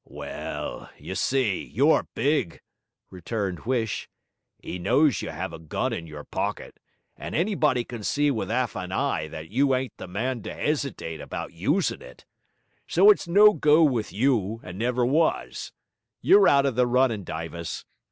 'Well, you see, you're big,' returned Huish; ''e knows you 'ave a gun in your pocket, and anybody can see with 'alf an eye that you ain't the man to 'esitate about usin' it. So it's no go with you, and never was; you're out of the runnin', Dyvis.